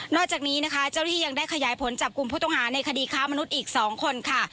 จากนี้นะคะเจ้าที่ยังได้ขยายผลจับกลุ่มผู้ต้องหาในคดีค้ามนุษย์อีก๒คนค่ะ